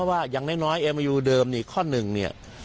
ว่าจะแก้หรือไม่แก้